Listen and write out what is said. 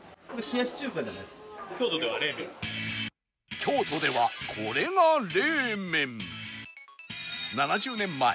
京都ではこれが冷麺